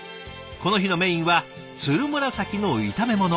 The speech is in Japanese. この日のメインはつるむらさきの炒め物。